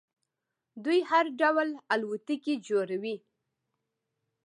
دوی هر ډول الوتکې جوړوي.